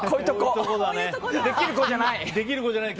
できる子じゃない！